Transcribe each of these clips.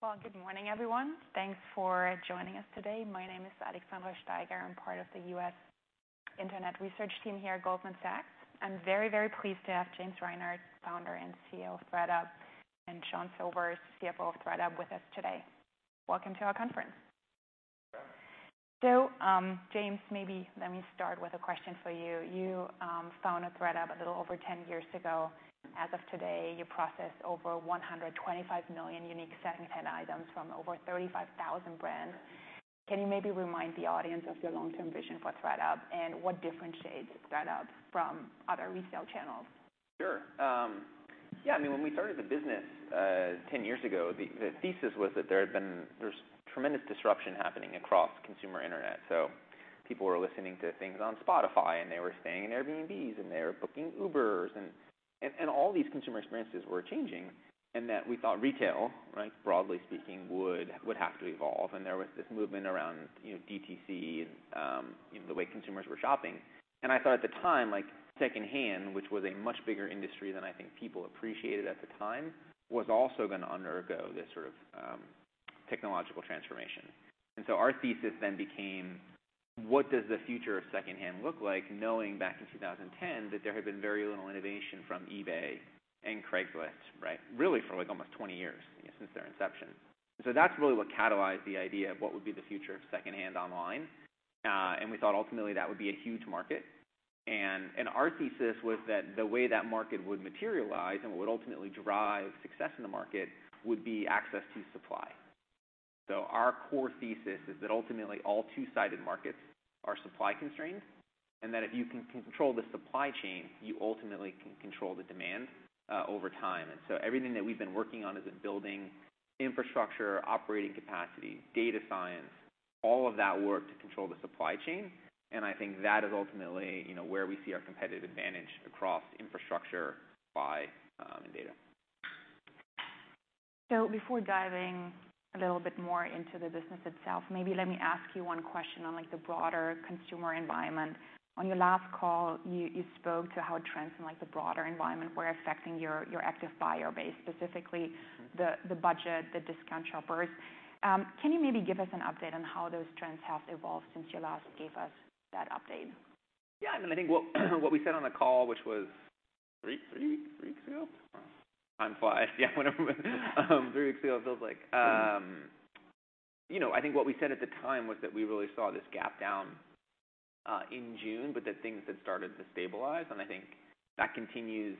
Well, good morning, everyone. Thanks for joining us today. My name is Alexandra Steiger. I'm part of the U.S. Internet research team here at Goldman Sachs. I'm very, very pleased to have James Reinhart, Founder and CEO of thredUP, and Sean Sobers, CFO of thredUP, with us today. Welcome to our conference. James, maybe let me start with a question for you. You founded thredUP a little over 10 years ago. As of today, you process over 125 million unique secondhand items from over 35,000 brands. Can you maybe remind the audience of your long-term vision for thredUP and what differentiates thredUP from other resale channels? Sure. Yeah, I mean, when we started the business, ten years ago, the thesis was that there's tremendous disruption happening across consumer internet. People were listening to things on Spotify, and they were staying in Airbnbs, and they were booking Ubers, and all these consumer experiences were changing, and we thought retail, right, broadly speaking, would have to evolve. There was this movement around, you know, DTC and, you know, the way consumers were shopping. I thought at the time, like, secondhand, which was a much bigger industry than I think people appreciated at the time, was also gonna undergo this sort of technological transformation. Our thesis then became, what does the future of secondhand look like, knowing back in 2010 that there had been very little innovation from eBay and Craigslist, right? Really for like almost 20 years, you know, since their inception. That's really what catalyzed the idea of what would be the future of secondhand online. We thought ultimately that would be a huge market. Our thesis was that the way that market would materialize and what would ultimately drive success in the market would be access to supply. Our core thesis is that ultimately all two-sided markets are supply constrained, and that if you can control the supply chain, you ultimately can control the demand over time. Everything that we've been working on is in building infrastructure, operating capacity, data science, all of that work to control the supply chain. I think that is ultimately, you know, where we see our competitive advantage across infrastructure, buy, and data. Before diving a little bit more into the business itself, maybe let me ask you one question on, like, the broader consumer environment. On your last call, you spoke to how trends in, like, the broader environment were affecting your active buyer base, specifically the budget, the discount shoppers. Can you maybe give us an update on how those trends have evolved since you last gave us that update? Yeah, I mean, I think what we said on the call, which was three weeks ago. Time flies. It feels like three weeks ago. You know, I think what we said at the time was that we really saw this gap down in June, but that things had started to stabilize. I think that continues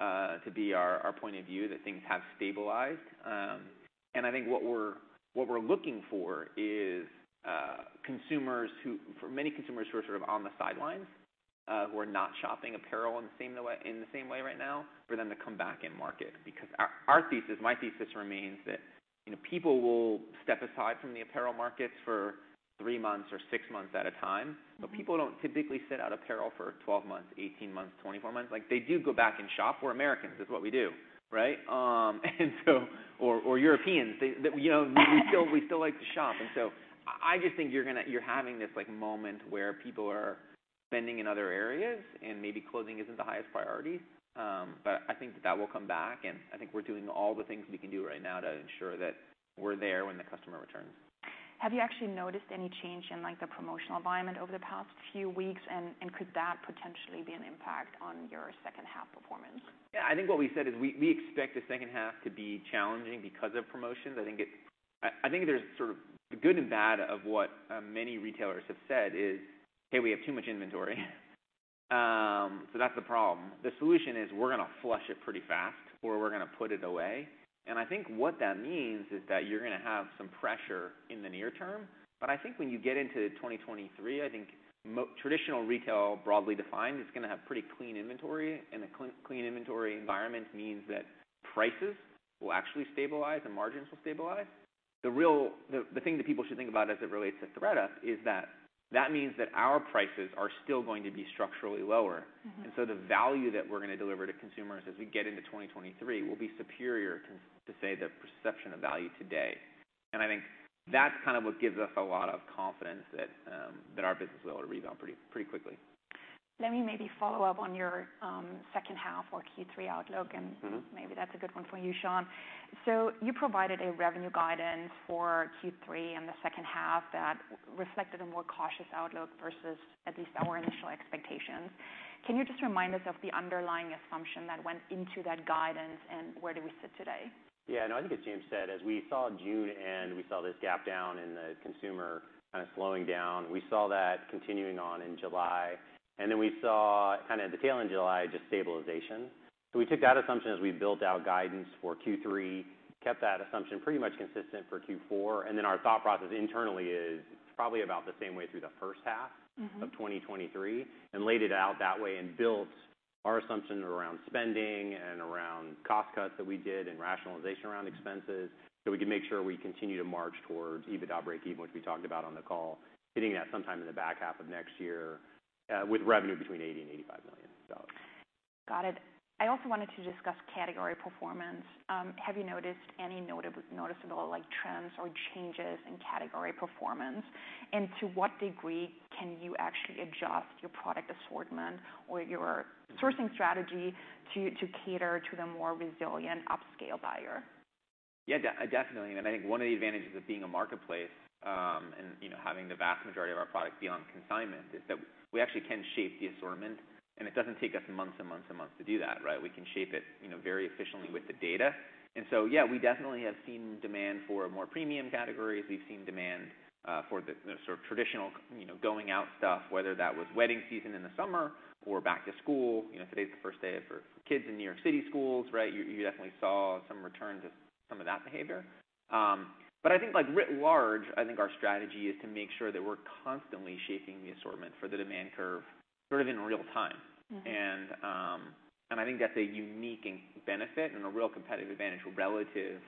to be our point of view that things have stabilized. I think what we're looking for is consumers who, for many consumers who are sort of on the sidelines, who are not shopping apparel in the same way right now, for them to come back in market. Because our thesis, my thesis remains that, you know, people will step aside from the apparel market for three months or six months at a time, but people don't typically sit out apparel for 12 months, 18 months, 24 months. Like, they do go back and shop. We're Americans. It's what we do, right? Europeans, they, you know, we still like to shop. I just think you're having this, like, moment where people are spending in other areas and maybe clothing isn't the highest priority. I think that will come back, and I think we're doing all the things we can do right now to ensure that we're there when the customer returns. Have you actually noticed any change in, like, the promotional environment over the past few weeks? Could that potentially be an impact on your second half performance? Yeah, I think what we said is we expect the second half to be challenging because of promotions. I think there's sort of the good and bad of what many retailers have said is, "Hey, we have too much inventory." That's the problem. The solution is we're gonna flush it pretty fast, or we're gonna put it away. I think what that means is that you're gonna have some pressure in the near term. I think when you get into 2023, I think more traditional retail, broadly defined, is gonna have pretty clean inventory. A clean inventory environment means that prices will actually stabilize and margins will stabilize. The thing that people should think about as it relates to thredUP is that that means that our prices are still going to be structurally lower. Mm-hmm. The value that we're gonna deliver to consumers as we get into 2023 will be superior to, say, the perception of value today. I think that's kind of what gives us a lot of confidence that our business will rezone pretty quickly. Let me maybe follow up on your second half or Q3 outlook, and- Mm-hmm. Maybe that's a good one for you, Sean. You provided a revenue guidance for Q3 and the second half that reflected a more cautious outlook versus at least our initial expectations. Can you just remind us of the underlying assumption that went into that guidance, and where do we sit today? Yeah. No, I think as James said, as we saw June end, we saw this gap down in the consumer kind of slowing down. We saw that continuing on in July, and then we saw kind of at the tail end of July, just stabilization. We took that assumption as we built out guidance for Q3, kept that assumption pretty much consistent for Q4, and then our thought process internally is it's probably about the same way through the first half- Mm-hmm. of 2023 and laid it out that way and built our assumption around spending and around cost cuts that we did and rationalization around expenses, so we can make sure we continue to march towards EBITDA breakeven, which we talked about on the call, hitting that sometime in the back half of next year, with revenue between $80-$85 million. Got it. I also wanted to discuss category performance. Have you noticed any noticeable, like, trends or changes in category performance? To what degree can you actually adjust your product assortment or your sourcing strategy to cater to the more resilient upscale buyer? Yeah, definitely. I think one of the advantages of being a marketplace, you know, having the vast majority of our product be on consignment, is that we actually can shape the assortment, and it doesn't take us months and months and months to do that, right? We can shape it, you know, very efficiently with the data. Yeah, we definitely have seen demand for more premium categories. We've seen demand for the sort of traditional, you know, going out stuff, whether that was wedding season in the summer or back to school. You know, today's the first day for kids in New York City schools, right? You definitely saw some return to some of that behavior. I think, like, writ large, I think our strategy is to make sure that we're constantly shaping the assortment for the demand curve sort of in real time. Mm-hmm. I think that's a unique benefit and a real competitive advantage relative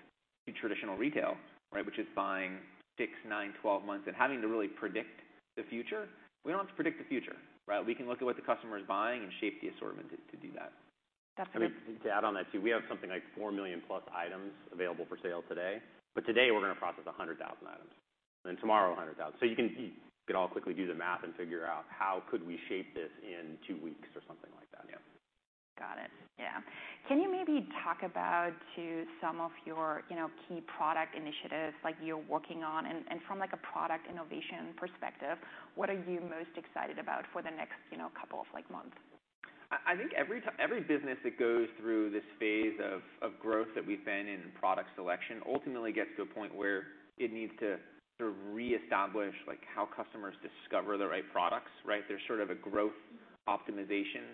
to traditional retail, right, which is buying six, nine, 12 months and having to really predict the future. We don't have to predict the future, right? We can look at what the customer is buying and shape the assortment to do that. That's great. I mean, to add on that, too, we have something like 4 million+ items available for sale today, but today we're gonna process 100,000 items, and tomorrow 100,000. You can all quickly do the math and figure out how could we shape this in two weeks or something like that. Yeah. Got it. Yeah. Can you maybe talk about, too, some of your, you know, key product initiatives like you're working on? From, like, a product innovation perspective, what are you most excited about for the next, you know, couple of, like, months? I think every business that goes through this phase of growth that we've been in product selection ultimately gets to a point where it needs to sort of reestablish, like, how customers discover the right products, right? There's sort of a growth optimization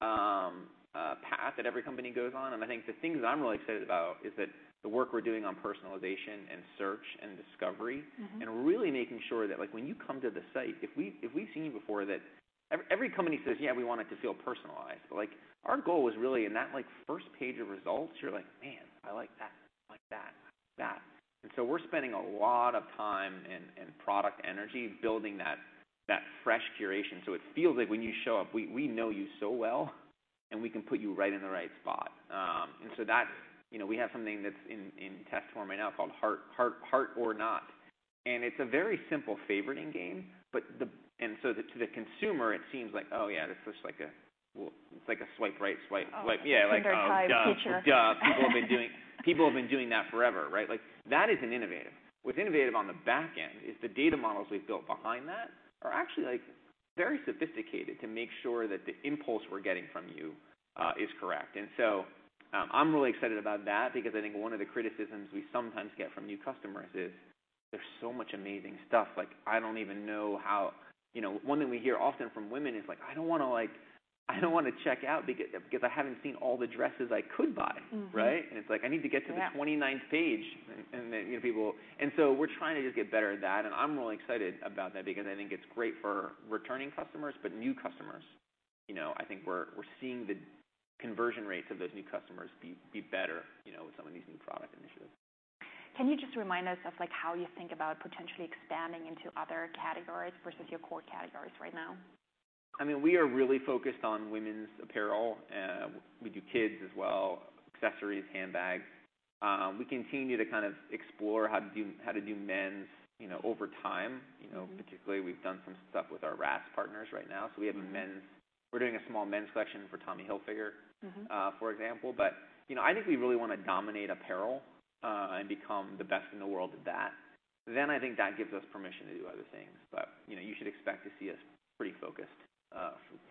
path that every company goes on, and I think the things I'm really excited about is that the work we're doing on personalization and search and discovery- Mm-hmm. really making sure that, like, when you come to the site, if we've seen you before that. Every company says, "Yeah, we want it to feel personalized," but, like, our goal is really in that, like, first page of results, you're like, "Man, I like that." We're spending a lot of time and product energy building that fresh curation so it feels like when you show up, we know you so well, and we can put you right in the right spot. You know, we have something that's in test form right now called Hot or Not, and it's a very simple favoriting game, but the- To the consumer, it seems like, oh yeah, this is like a, well, it's like a swipe right, like, yeah, like, oh, duh. Oh, Tinder-type feature. Duh. People have been doing that forever, right? Like, that isn't innovative. What's innovative on the back end is the data models we've built behind that are actually, like, very sophisticated to make sure that the impulse we're getting from you is correct. I'm really excited about that because I think one of the criticisms we sometimes get from new customers is there's so much amazing stuff, like, I don't even know how. You know, one thing we hear often from women is like, "I don't wanna, like, check out because I haven't seen all the dresses I could buy. Mm-hmm. Right? It's like, "I need to get to the 29th page," and then, you know, people. We're trying to just get better at that, and I'm really excited about that because I think it's great for returning customers. New customers, you know, I think we're seeing the conversion rates of those new customers be better, you know, with some of these new product initiatives. Can you just remind us of, like, how you think about potentially expanding into other categories versus your core categories right now? I mean, we are really focused on women's apparel. We do kids as well, accessories, handbags. We continue to kind of explore how to do men's, you know, over time. You know. Mm-hmm. Particularly, we've done some stuff with our RaaS partners right now, so we have men's- Mm-hmm. We're doing a small men's section for Tommy Hilfiger- Mm-hmm. For example. You know, I think we really wanna dominate apparel, and become the best in the world at that. I think that gives us permission to do other things. You know, you should expect to see us pretty focused,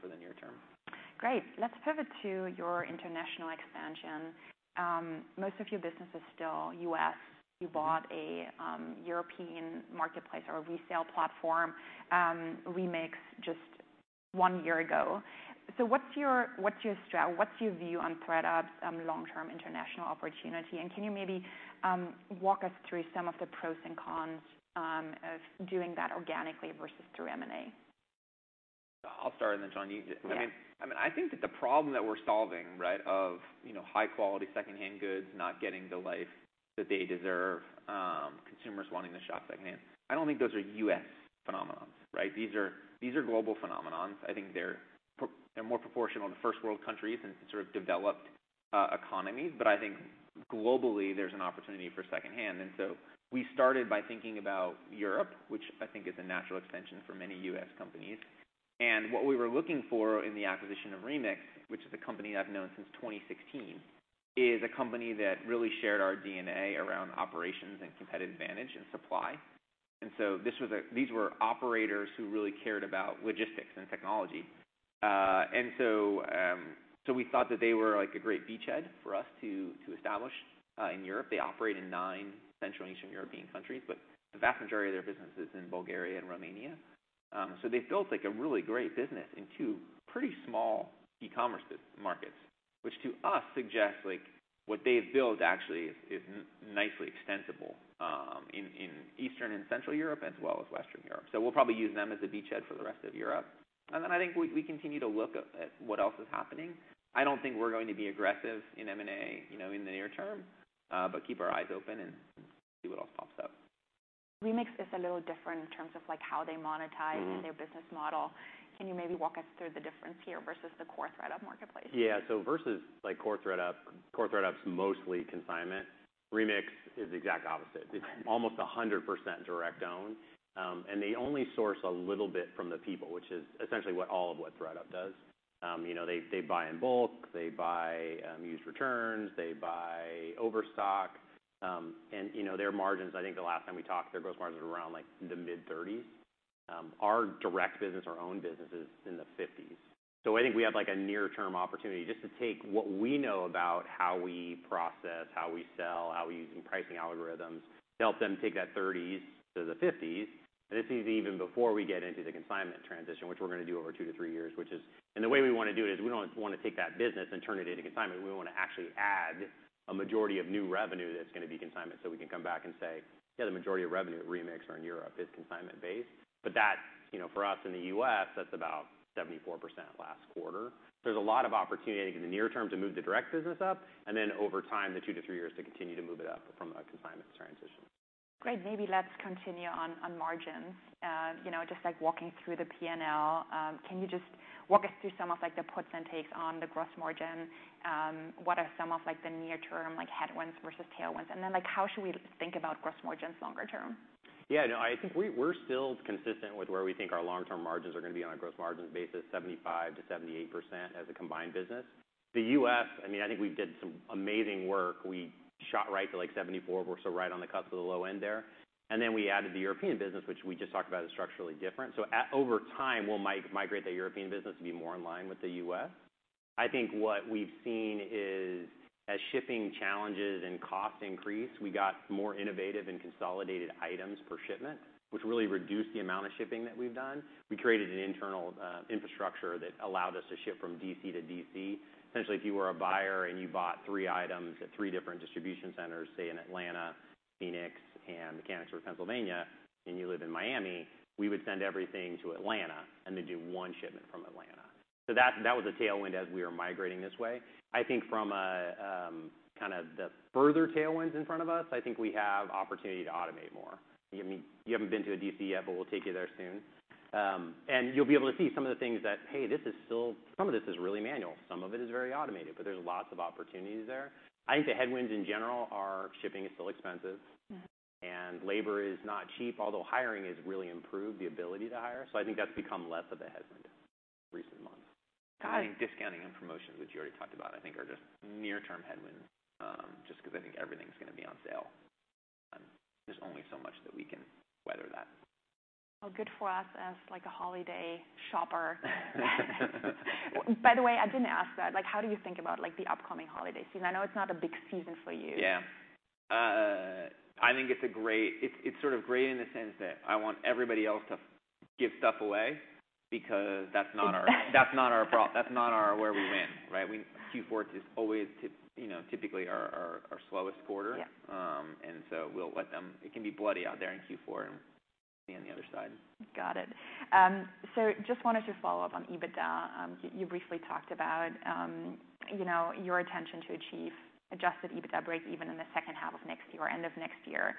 for the near term. Great. Let's pivot to your international expansion. Most of your business is still U.S. Mm-hmm. You bought a European marketplace or resale platform, Remix, just one year ago. What's your view on thredUP's long-term international opportunity, and can you maybe walk us through some of the pros and cons of doing that organically versus through M&A? I'll start and then, John, you- Yeah. I mean, I think that the problem that we're solving, right, of, you know, high quality secondhand goods not getting the life that they deserve, consumers wanting to shop secondhand, I don't think those are U.S. phenomena, right? These are global phenomena. I think they're more proportional to first world countries and sort of developed economies. I think globally, there's an opportunity for secondhand. We started by thinking about Europe, which I think is a natural extension for many U.S. companies. What we were looking for in the acquisition of Remix, which is a company I've known since 2016, is a company that really shared our DNA around operations and competitive advantage and supply. These were operators who really cared about logistics and technology. We thought that they were, like, a great beachhead for us to establish in Europe. They operate in nine Central and Eastern European countries, but the vast majority of their business is in Bulgaria and Romania. They've built, like, a really great business in two pretty small e-commerce markets, which to us suggests, like, what they've built actually is nicely extensible in Eastern and Central Europe as well as Western Europe. We'll probably use them as a beachhead for the rest of Europe. I think we continue to look at what else is happening. I don't think we're going to be aggressive in M&A, you know, in the near term, but keep our eyes open and see what else pops up. Remix is a little different in terms of, like, how they monetize- Mm-hmm. their business model. Can you maybe walk us through the difference here versus the core thredUP marketplace? Yeah. Versus, like, core thredUP, core thredUP's mostly consignment. Remix is the exact opposite. Okay. It's almost 100% direct own. They only source a little bit from the people, which is essentially what all of what thredUP does. You know, they buy in bulk, they buy used returns, they buy overstock. You know, their margins, I think the last time we talked, their gross margin was around, like, the mid-30s%. Our direct business, our own business is in the 50s%. I think we have, like, a near-term opportunity just to take what we know about how we process, how we sell, how we're using pricing algorithms to help them take that 30s% to the 50s%. This is even before we get into the consignment transition, which we're gonna do over two to three years. The way we wanna do it is we don't want to take that business and turn it into consignment. We want to actually add a majority of new revenue that's gonna be consignment, so we can come back and say, "Yeah, the majority of revenue at Remix or in Europe is consignment-based." That's, you know, for us in the U.S., that's about 74% last quarter. There's a lot of opportunity in the near term to move the direct business up, and then over time, the two to thre years to continue to move it up from a consignment transition. Great. Maybe let's continue on margins. You know, just like walking through the P&L. Can you just walk us through some of, like, the puts and takes on the gross margin? What are some of, like, the near term, like, headwinds versus tailwinds? Then, like, how should we think about gross margins longer term? Yeah, no, I think we're still consistent with where we think our long-term margins are gonna be on a gross margin basis, 75%-78% as a combined business. The U.S., I mean, I think we did some amazing work. We shot right to, like, 74%. We're so right on the cusp of the low end there. Then we added the European business, which we just talked about, is structurally different. Over time, we'll migrate the European business to be more in line with the U.S. I think what we've seen is, as shipping challenges and costs increase, we got more innovative and consolidated items per shipment, which really reduced the amount of shipping that we've done. We created an internal infrastructure that allowed us to ship from DC to DC. Essentially, if you were a buyer and you bought three items at three different distribution centers, say in Atlanta, Phoenix, and Mechanicsburg, Pennsylvania, and you live in Miami, we would send everything to Atlanta and then do one shipment from Atlanta. That was a tailwind as we were migrating this way. I think from a kind of the further tailwinds in front of us, I think we have opportunity to automate more. You haven't been to a DC yet, but we'll take you there soon. You'll be able to see some of the things that, hey, this is still some of this is really manual, some of it is very automated, but there's lots of opportunities there. I think the headwinds in general are, shipping is still expensive. Mm-hmm. Labor is not cheap, although hiring has really improved the ability to hire. I think that's become less of a headwind in recent months. I think discounting and promotions, which you already talked about, I think are just near-term headwinds, just because I think everything's gonna be on sale. There's only so much that we can weather that. Well, good for us as, like, a holiday shopper. By the way, I didn't ask that. Like, how do you think about, like, the upcoming holiday season? I know it's not a big season for you. Yeah. I think it's sort of great in the sense that I want everybody else to give stuff away because that's not our where we win, right? Q4 is always, you know, typically our slowest quarter. Yeah. We'll let them. It can be bloody out there in Q4, and we'll see on the other side. Got it. Just wanted to follow up on EBITDA. You briefly talked about, you know, your intention to achieve adjusted EBITDA breakeven in the second half of next year, end of next year.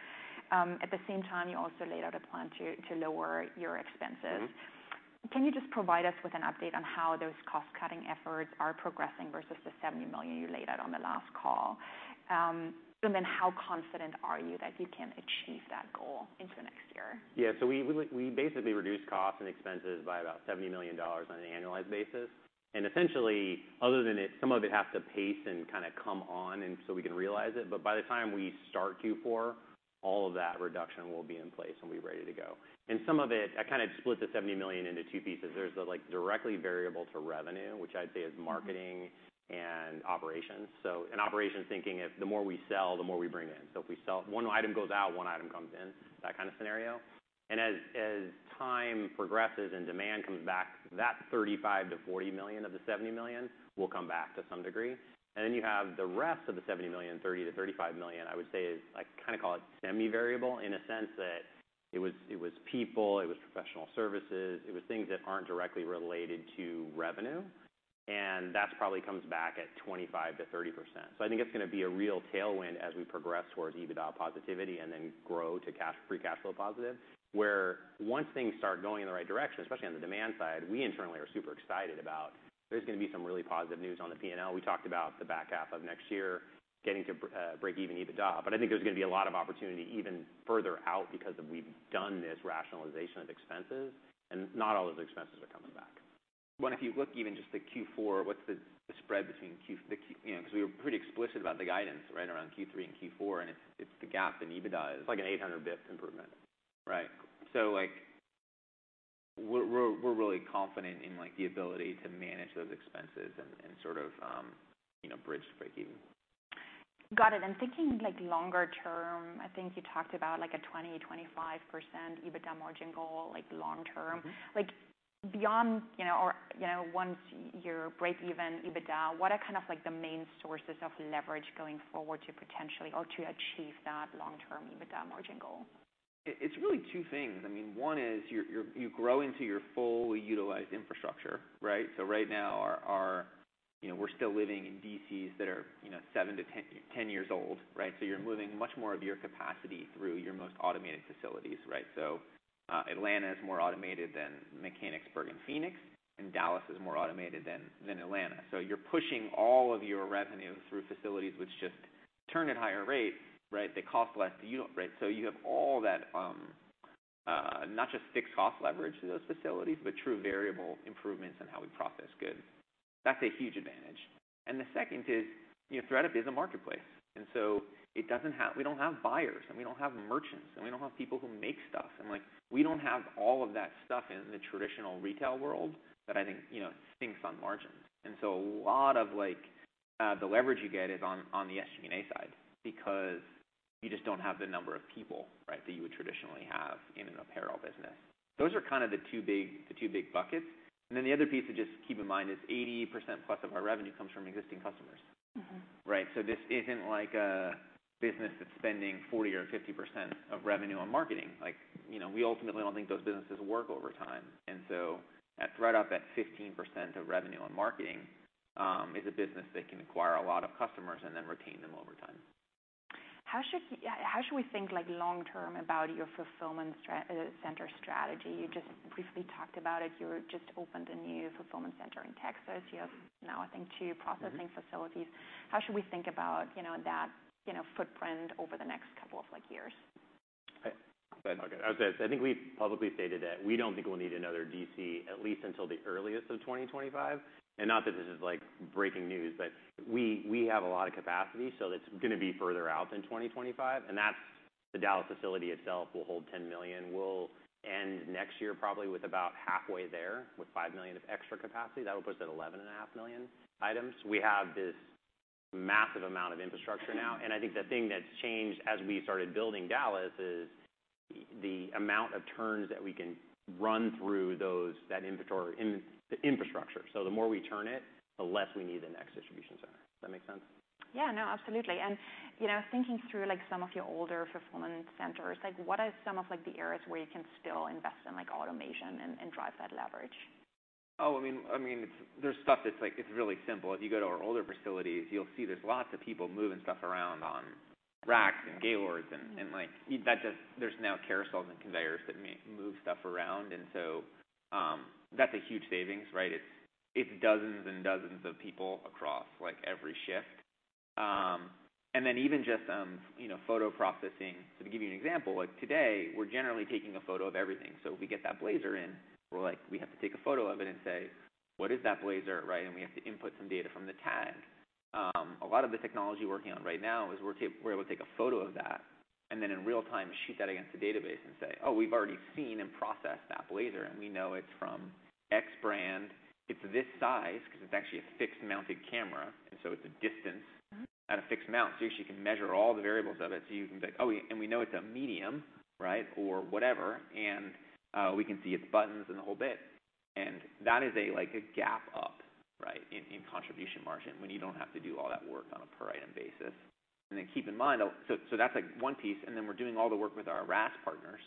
At the same time, you also laid out a plan to lower your expenses. Mm-hmm. Can you just provide us with an update on how those cost-cutting efforts are progressing versus the $70 million you laid out on the last call? How confident are you that you can achieve that goal into next year? Yeah. We like we basically reduced costs and expenses by about $70 million on an annualized basis. Essentially, other than it, some of it has to pace and kind of come on, and we can realize it. By the time we start Q4, all of that reduction will be in place, and we're ready to go. Some of it, I kind of split the $70 million into two pieces. There's like directly variable to revenue, which I'd say is marketing and operations. In operations, thinking if the more we sell, the more we bring in. If we sell, one item goes out, one item comes in, that kind of scenario. As time progresses and demand comes back, that $35 million-$40 million of the $70 million will come back to some degree. Then you have the rest of the $70 million, $30-$35 million, I would say is, I kind of call it semi-variable in a sense that it was people, it was professional services, it was things that aren't directly related to revenue, and that's probably comes back at 25%-30%. I think it's gonna be a real tailwind as we progress towards EBITDA positivity and then grow to cash, free cash flow positive, where once things start going in the right direction, especially on the demand side, we internally are super excited about there's gonna be some really positive news on the P&L. We talked about the back half of next year getting to break even EBITDA. I think there's gonna be a lot of opportunity even further out because we've done this rationalization of expenses, and not all of the expenses are coming back. If you look even just at Q4, what's the spread between Q3 and Q4, you know, 'cause we were pretty explicit about the guidance, right? Around Q3 and Q4, and it's the gap in EBITDA is like an 800 basis points improvement, right? Like, we're really confident in, like, the ability to manage those expenses and sort of, you know, bridge to break even. Got it. I'm thinking, like, longer term, I think you talked about, like, a 20%-25% EBITDA margin goal, like, long term. Mm-hmm. Like, beyond, you know, once you're break even EBITDA, what are kind of like the main sources of leverage going forward to potentially or to achieve that long-term EBITDA margin goal? It's really two things. I mean, one is you grow into your fully utilized infrastructure, right? Right now our you know, we're still living in DCs that are, you know, seven to 10 years old, right? You're moving much more of your capacity through your most automated facilities, right? Atlanta is more automated than Mechanicsburg and Phoenix, and Dallas is more automated than Atlanta. You're pushing all of your revenue through facilities which just turn at higher rates, right? They cost less to you, right? You have all that. Not just fixed cost leverage to those facilities, but true variable improvements in how we process goods. That's a huge advantage. The second is, you know, thredUP is a marketplace, and so it doesn't have, we don't have buyers, and we don't have merchants, and we don't have people who make stuff. Like, we don't have all of that stuff in the traditional retail world that I think, you know, stinks on margins. So a lot of, like, the leverage you get is on the SG&A side because you just don't have the number of people, right, that you would traditionally have in an apparel business. Those are kind of the two big buckets. Then the other piece to just keep in mind is 80% plus of our revenue comes from existing customers. Mm-hmm. Right? This isn't like a business that's spending 40% or 50% of revenue on marketing. Like, you know, we ultimately don't think those businesses work over time. thredUP, at 15% of revenue on marketing, is a business that can acquire a lot of customers and then retain them over time. How should we think, like, long term about your fulfillment center strategy? You just briefly talked about it. You just opened a new fulfillment center in Texas. Mm-hmm. You have now, I think, two- Mm-hmm. processing facilities. How should we think about, you know, that, you know, footprint over the next couple of, like, years? Okay. I was gonna say, I think we've publicly stated that we don't think we'll need another DC at least until the earliest of 2025. Not that this is, like, breaking news, but we have a lot of capacity, so it's gonna be further out than 2025, and that's. The Dallas facility itself will hold 10 million. We'll end next year probably with about halfway there, with 5 million of extra capacity. That'll put us at 11.5 million items. We have this massive amount of infrastructure now, and I think the thing that's changed as we started building Dallas is the amount of turns that we can run through that inventory in the infrastructure. So the more we turn it, the less we need the next distribution center. Does that make sense? Yeah, no, absolutely. You know, thinking through, like, some of your older fulfillment centers, like, what are some of, like, the areas where you can still invest in, like, automation and drive that leverage? I mean, there's stuff that's like, it's really simple. If you go to our older facilities, you'll see there's lots of people moving stuff around on racks and gaylords. There's now carousels and conveyors that move stuff around. That's a huge savings, right? It's dozens and dozens of people across, like, every shift. Even just, you know, photo processing. To give you an example, like today, we're generally taking a photo of everything. If we get that blazer in, we're like, we have to take a photo of it and say, "What is that blazer," right? We have to input some data from the tag. A lot of the technology we're working on right now is that we're able to take a photo of that, and then in real time, shoot that against the database and say, "Oh, we've already seen and processed that blazer, and we know it's from X brand. It's this size," because it's actually a fixed mounted camera, and so it's a distance. Mm-hmm. At a fixed mount, so you actually can measure all the variables of it. You can be like, "Oh, we know it's a medium," right? Or whatever. We can see its buttons and the whole bit. That is like a gap up, right, in contribution margin when you don't have to do all that work on a per item basis. Keep in mind, that's like one piece, and then we're doing all the work with our RaaS partners,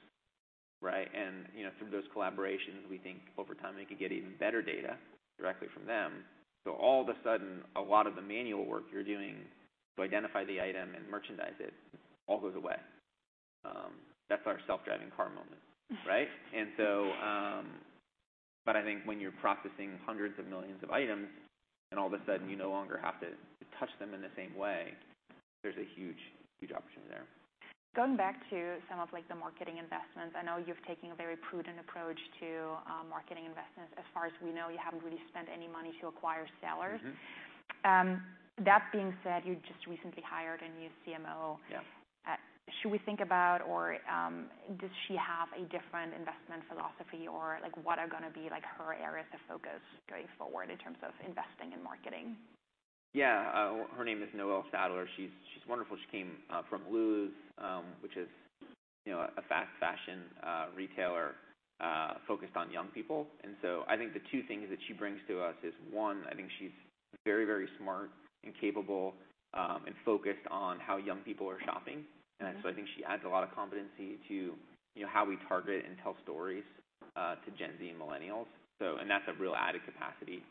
right? You know, through those collaborations, we think over time we can get even better data directly from them. All of a sudden, a lot of the manual work you're doing to identify the item and merchandise it all goes away. That's our self-driving car moment, right? I think when you're processing hundreds of millions of items and all of a sudden you no longer have to touch them in the same way, there's a huge opportunity there. Going back to some of, like, the marketing investments, I know you've taken a very prudent approach to, marketing investments. As far as we know, you haven't really spent any money to acquire sellers. Mm-hmm. That being said, you just recently hired a new CMO. Yeah. Does she have a different investment philosophy, or like, what are gonna be like her areas of focus going forward in terms of investing in marketing? Yeah. Her name is Noelle Sadler. She's wonderful. She came from Lulus, which is, you know, a fast fashion retailer focused on young people. I think the two things that she brings to us is, one, I think she's very, very smart and capable, and focused on how young people are shopping. Mm-hmm. I think she adds a lot of competency to, you know, how we target and tell stories to Gen Z and millennials. That's a real added capacity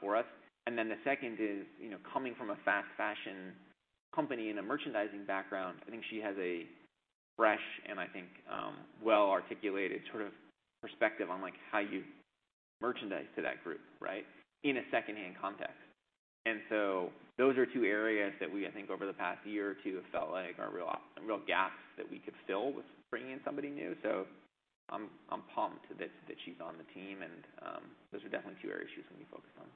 for us. The second is, you know, coming from a fast fashion company and a merchandising background, I think she has a fresh and I think well-articulated sort of perspective on like how you merchandise to that group, right, in a secondhand context. Those are two areas that we, I think over the past year or two have felt like are a real gap that we could fill with bringing in somebody new. I'm pumped that she's on the team and those are definitely two areas she's gonna be focused on.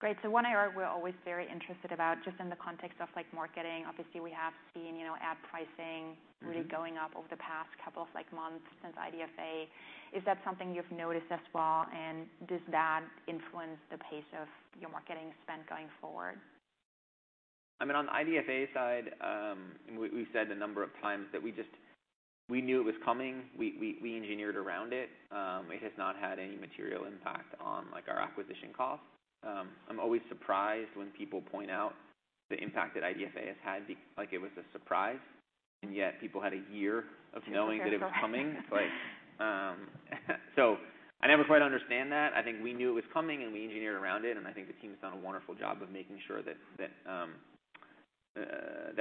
Great. One area we're always very interested about, just in the context of like marketing, obviously we have seen, you know, ad pricing. Mm-hmm. Really going up over the past couple of like months since IDFA. Is that something you've noticed as well? Does that influence the pace of your marketing spend going forward? I mean, on the IDFA side, we've said a number of times that we just knew it was coming. We engineered around it. It has not had any material impact on like our acquisition costs. I'm always surprised when people point out the impact that IDFA has had, like it was a surprise, and yet people had a year of knowing that it was coming. Like, so I never quite understand that. I think we knew it was coming, and we engineered around it, and I think the team's done a wonderful job of making sure that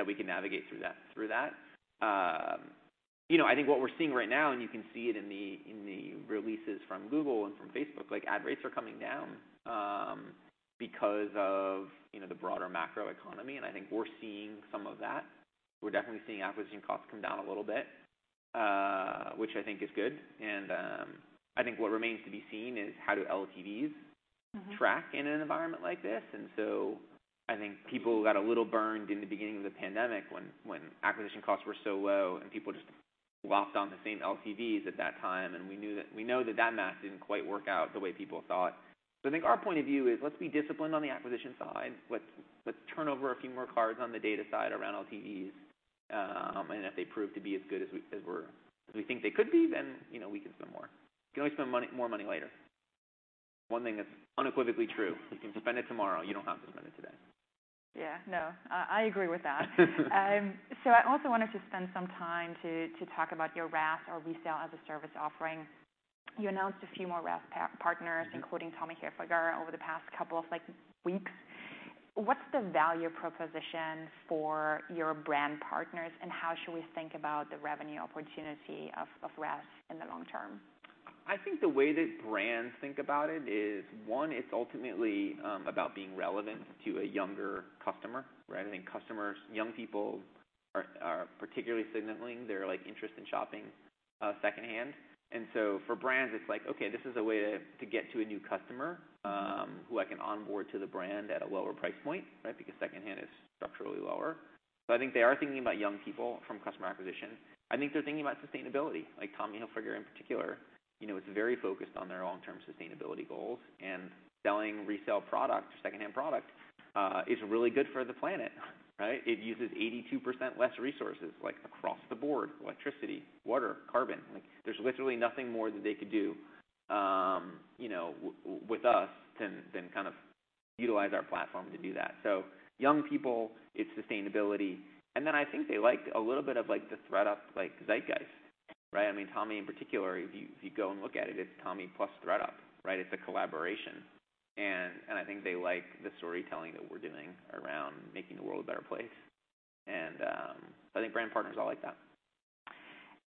we can navigate through that. You know, I think what we're seeing right now, and you can see it in the releases from Google and from Facebook, like ad rates are coming down. Because of, you know, the broader macro economy, and I think we're seeing some of that. We're definitely seeing acquisition costs come down a little bit, which I think is good. I think what remains to be seen is how do LTVs- Mm-hmm. Track in an environment like this. I think people got a little burned in the beginning of the pandemic when acquisition costs were so low and people just locked on the same LTVs at that time. We know that that math didn't quite work out the way people thought. I think our point of view is, let's be disciplined on the acquisition side. Let's turn over a few more cards on the data side around LTVs. If they prove to be as good as we think they could be, then, you know, we can spend more. You can always spend more money later. One thing that's unequivocally true, you can spend it tomorrow, you don't have to spend it today. Yeah. No, I agree with that. I also wanted to spend some time to talk about your RaaS or Resale-as-a-Service offering. You announced a few more RaaS partners- Mm-hmm. including Tommy Hilfiger over the past couple of, like, weeks. What's the value proposition for your brand partners, and how should we think about the revenue opportunity of RaaS in the long term? I think the way that brands think about it is, one, it's ultimately about being relevant to a younger customer, right? I think customers, young people are particularly signaling their interest in shopping secondhand. For brands, it's like, okay, this is a way to get to a new customer who I can onboard to the brand at a lower price point, right? Because secondhand is structurally lower. I think they are thinking about young people from customer acquisition. I think they're thinking about sustainability, like Tommy Hilfiger in particular, you know, is very focused on their long-term sustainability goals. Selling resale product, secondhand product, is really good for the planet, right? It uses 82% less resources, like across the board, electricity, water, carbon. Like, there's literally nothing more that they could do, you know, with us than kind of utilize our platform to do that. Young people, it's sustainability, and then I think they like a little bit of like the thredUP, like, zeitgeist, right? I mean, Tommy in particular, if you go and look at it's Tommy plus thredUP, right? It's a collaboration. I think they like the storytelling that we're doing around making the world a better place. I think brand partners all like that.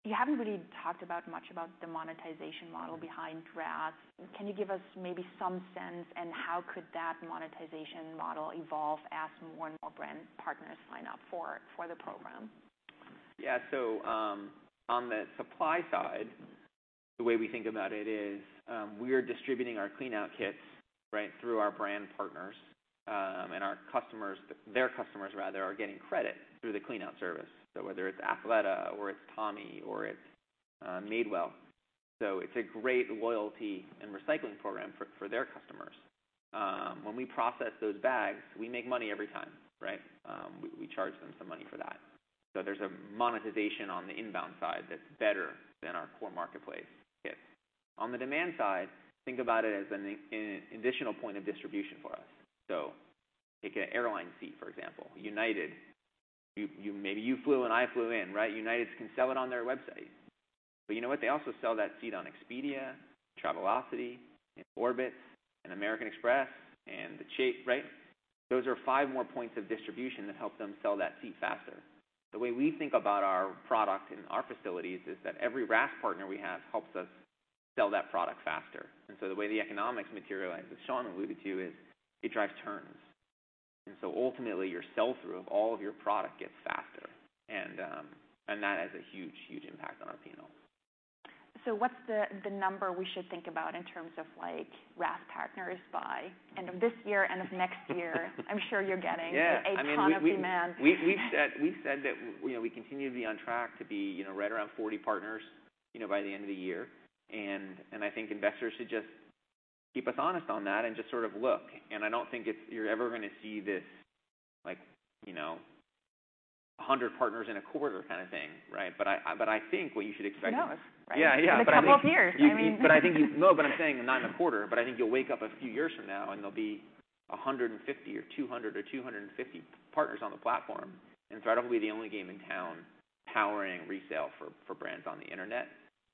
You haven't really talked much about the monetization model behind RaaS. Can you give us maybe some sense of how that monetization model could evolve as more and more brand partners sign up for the program? Yeah. On the supply side, the way we think about it is, we're distributing our clean out kits, right, through our brand partners. Our customers, their customers, rather, are getting credit through the clean out service. Whether it's Athleta or it's Tommy or it's Madewell. It's a great loyalty and recycling program for their customers. When we process those bags, we make money every time, right? We charge them some money for that. There's a monetization on the inbound side that's better than our core marketplace fit. On the demand side, think about it as an additional point of distribution for us. Take an airline seat, for example. United, you maybe you flew and I flew in, right? United can sell it on their website. You know what? They also sell that seat on Expedia, Travelocity, Orbitz, American Express, and Chase, right? Those are five more points of distribution that help them sell that seat faster. The way we think about our product and our facilities is that every RaaS partner we have helps us sell that product faster. The way the economics materialize, as Sean alluded to, is it drives turns. That has a huge impact on our P&L. What's the number we should think about in terms of like RaaS partners by end of this year, end of next year? I'm sure you're getting- Yeah. I mean- a ton of demand. We've said that, you know, we continue to be on track to be, you know, right around 40 partners, you know, by the end of the year. I think investors should just keep us honest on that and just sort of look. I don't think you're ever gonna see this like, you know, a 100 partners in a quarter kind of thing, right? I think what you should expect- No. Yeah. Yeah. In a couple of years, I mean. I'm saying not in a quarter, but I think you'll wake up a few years from now, and there'll be 150 or 200 or 250 partners on the platform. thredUP will be the only game in town powering resale for brands on the internet.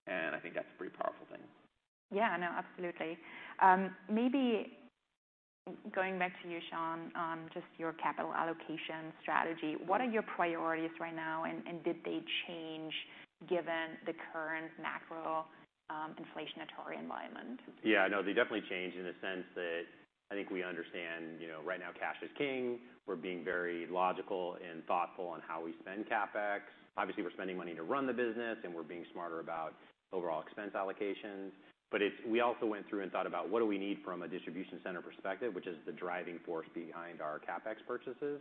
I think that's a pretty powerful thing. Yeah. No, absolutely. Maybe going back to you, Sean, on just your capital allocation strategy. What are your priorities right now, and did they change given the current macro, inflationary environment? Yeah. No, they definitely changed in the sense that I think we understand, you know, right now cash is king. We're being very logical and thoughtful on how we spend CapEx. Obviously, we're spending money to run the business, and we're being smarter about overall expense allocations. It's. We also went through and thought about what do we need from a distribution center perspective, which is the driving force behind our CapEx purchases.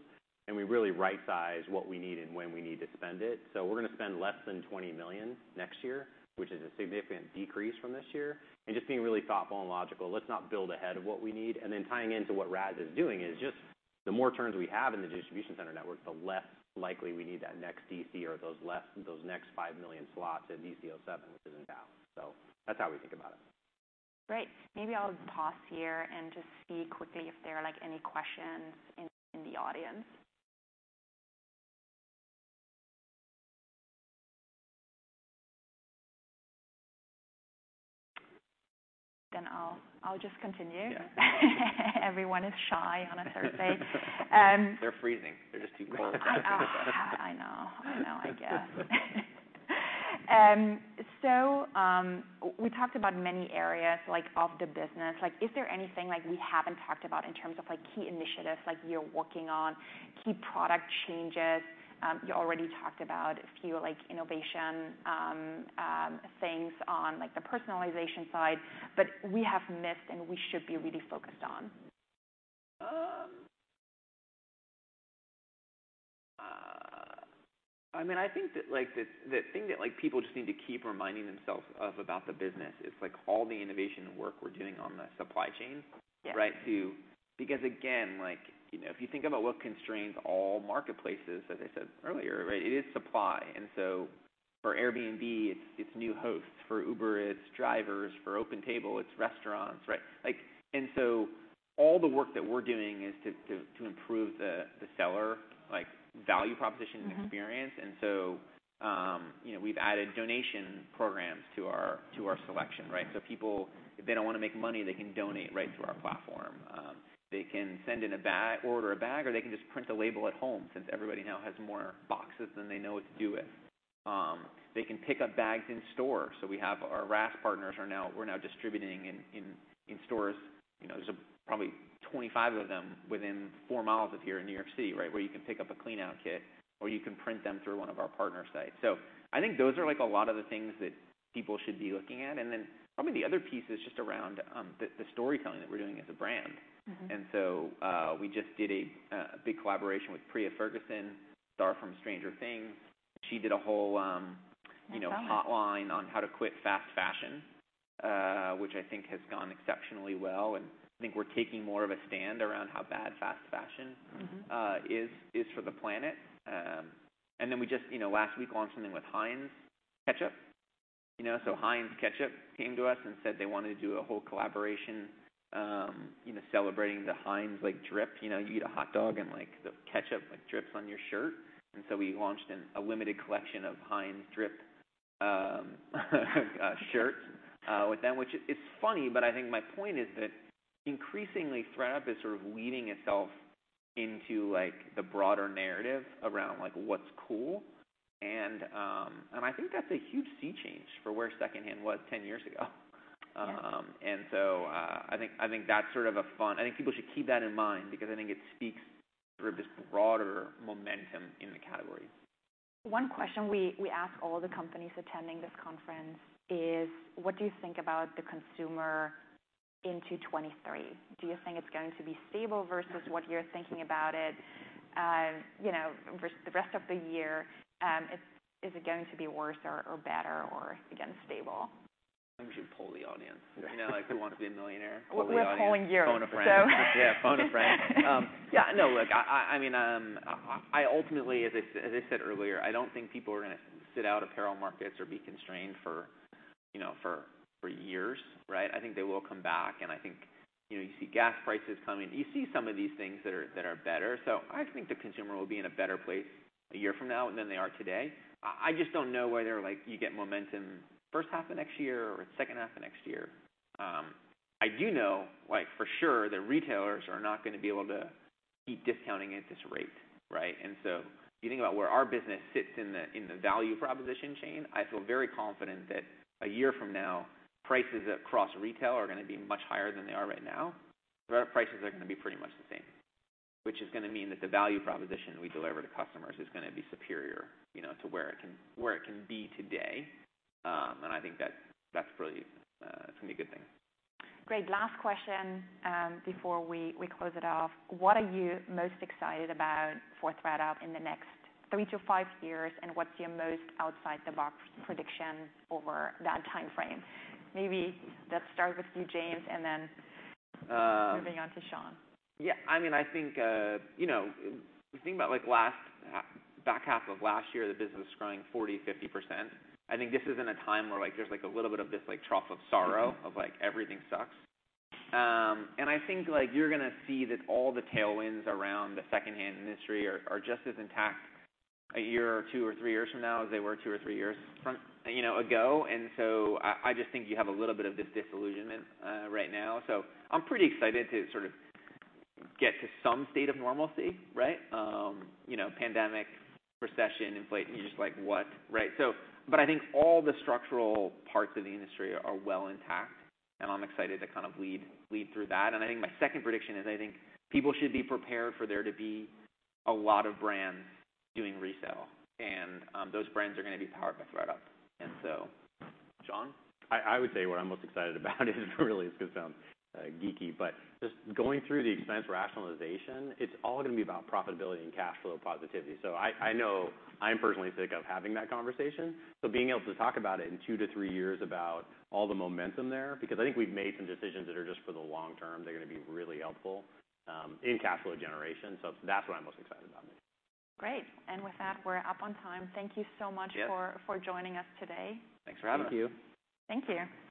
We really right size what we need and when we need to spend it. We're gonna spend less than $20 million next year, which is a significant decrease from this year. Just being really thoughtful and logical, let's not build ahead of what we need. Tying into what RaaS is doing, is just the more turns we have in the distribution center network, the less likely we need that next DC or those next 5 million slots at DC07, which is in Dallas. That's how we think about it. Great. Maybe I'll pause here and just see quickly if there are, like, any questions in the audience. I'll just continue. Yeah. Everyone is shy on a Thursday. They're freezing. They're just too cold. I know, I guess. We talked about many areas, like, of the business. Like, is there anything, like, we haven't talked about in terms of, like, key initiatives, like you're working on, key product changes? You already talked about a few, like, innovation, things on, like, the personalization side, but we have missed and we should be really focused on. I mean, I think that, like, the thing that, like, people just need to keep reminding themselves of about the business is, like, all the innovation work we're doing on the supply chain. Yeah. Because, again, like, you know, if you think about what constrains all marketplaces, as I said earlier, right, it is supply. For Airbnb, it's new hosts. For Uber, it's drivers. For OpenTable, it's restaurants, right? Like, all the work that we're doing is to improve the seller, like, value proposition. Mm-hmm. experience. You know, we've added donation programs to our selection, right? So people, if they don't wanna make money, they can donate, right, through our platform. They can send in a bag, order a bag, or they can just print a label at home since everybody now has more boxes than they know what to do with. They can pick up bags in store. We have our RaaS partners. We're now distributing in stores. You know, there's probably 25 of them within four miles of here in New York City, right, where you can pick up a clean out kit, or you can print them through one of our partner sites. I think those are, like, a lot of the things that people should be looking at. Probably the other piece is just around the storytelling that we're doing as a brand. Mm-hmm. We just did a big collaboration with Priah Ferguson, star from Stranger Things. She did a whole- I saw that. You know, hotline on how to quit fast fashion, which I think has gone exceptionally well, and I think we're taking more of a stand around how bad fast fashion- Mm-hmm. is for the planet. We just, you know, last week launched something with Heinz Ketchup. You know, Heinz Ketchup came to us and said they wanted to do a whole collaboration, you know, celebrating the Heinz, like, drip. You know, you eat a hot dog, and, like, the ketchup, like, drips on your shirt. We launched a limited collection of Heinz drip shirts with them, which is funny, but I think my point is that increasingly, thredUP is sort of leading itself into, like, the broader narrative around, like, what's cool and I think that's a huge sea change for where secondhand was 10 years ago. Yeah. I think people should keep that in mind because I think it speaks for this broader momentum in the category. One question we ask all the companies attending this conference is, what do you think about the consumer into 2023? Do you think it's going to be stable versus what you're thinking about it, you know, the rest of the year, is it going to be worse or better, or again, stable? We should poll the audience. You know, like Who Wants to Be a Millionaire? We're polling you. Poll the audience. Phone a friend. So- Yeah, phone a friend. Yeah, no, look, I mean, I ultimately, as I said earlier, I don't think people are gonna sit out apparel markets or be constrained for, you know, for years, right? I think they will come back, and I think, you know, you see gas prices coming. You see some of these things that are better, so I think the consumer will be in a better place a year from now than they are today. I just don't know whether, like, you get momentum first half of next year or second half of next year. I do know, like, for sure, that retailers are not gonna be able to keep discounting at this rate, right? You think about where our business sits in the value proposition chain. I feel very confident that a year from now, prices across retail are gonna be much higher than they are right now. thredUP prices are gonna be pretty much the same, which is gonna mean that the value proposition we deliver to customers is gonna be superior, you know, to where it can be today. I think that's really gonna be a good thing. Great. Last question, before we close it off. What are you most excited about for thredUP in the next 3-5 years, and what's your most outside-the-box prediction over that timeframe? Maybe let's start with you, James, and then- Um- Moving on to Sean. Yeah, I mean, I think, you know, if you think about, like, back half of last year, the business was growing 40%-50%. I think this is in a time where, like, there's a little bit of this, like, trough of sorrow of, like, everything sucks. I think, like, you're gonna see that all the tailwinds around the secondhand industry are just as intact a year or two or three years from now as they were two or three years from, you know, ago. I just think you have a little bit of this disillusionment right now. I'm pretty excited to sort of get to some state of normalcy, right? You know, pandemic, recession, inflation, you're just like, "What?" Right? I think all the structural parts of the industry are well intact, and I'm excited to kind of lead through that. I think my second prediction is I think people should be prepared for there to be a lot of brands doing resale, and those brands are gonna be powered by thredUP, and so Sean? I would say what I'm most excited about is really, this is gonna sound geeky, but just going through the expense rationalization, it's all gonna be about profitability and cash flow positivity. I know I'm personally sick of having that conversation, so being able to talk about it in two to three years about all the momentum there, because I think we've made some decisions that are just for the long term, they're gonna be really helpful in cash flow generation. That's what I'm most excited about. Great, and with that, we're up on time. Thank you so much for- Yeah. For joining us today. Thanks for having us. Thank you. Thank you.